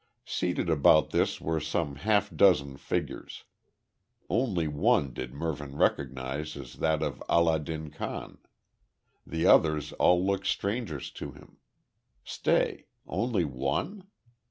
Seated about this were some half dozen figures. Only one did Mervyn recognise as that of Allah din Khan. The others all looked strangers to him. Stay. Only one?